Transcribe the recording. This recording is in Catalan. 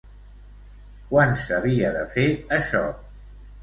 Quan s'havia de fer això?